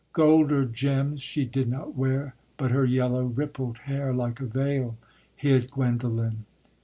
Gold or gems she did not wear, But her yellow rippled hair, Like a veil, hid Guendolen!